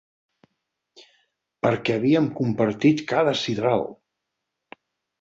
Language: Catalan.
Perquè havíem compartit cada sidral!